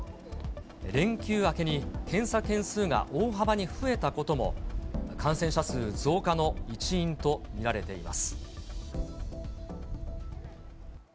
連休明けに検査件数が大幅に増えたことも、感染者数増加の一因と見られています。